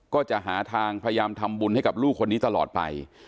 ก็จะหาทางพยายามทำบุญให้กับลูกคนนี้ตลอดไป